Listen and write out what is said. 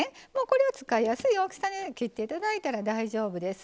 これは使いやすい大きさで切っていただいたら大丈夫です。